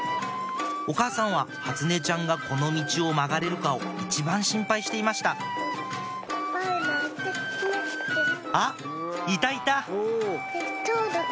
お母さんは初音ちゃんがこの道が曲がれるかを一番心配していましたあっいたいた！